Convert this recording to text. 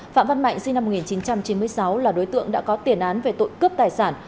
phạm văn mạnh sinh năm một nghìn chín trăm chín mươi sáu là đối tượng đã có tiền án về tội cướp tài sản